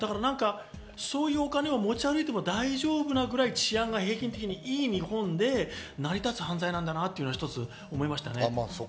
そういうお金を持ち歩いても大丈夫なくらい治安が平均的にいい日本で成り立つ犯罪なんだなというのが一つ思いました。